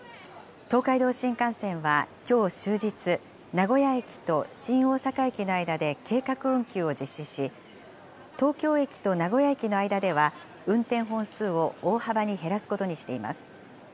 東海道新幹線はきょう終日、名古屋駅と新大阪駅の間で計画運休を実施し、東京駅と名古屋駅の間では、運転本数を大幅に減らすことにしています。